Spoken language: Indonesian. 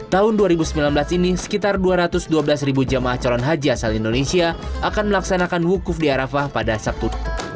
tahun dua ribu sembilan belas ini sekitar dua ratus dua belas jamaah calon haji asal indonesia akan melaksanakan wukuf di arafah pada sabtu